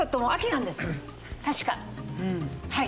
確かはい。